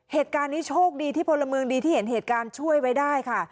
เหตุการณ์นี้โชคดีที่พลเมืองดีที่เห็นเหตุการณ์ช่วยไว้ได้ค่ะ